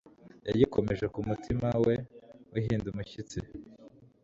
yayikomereje ku mutima we uhinda umushyitsi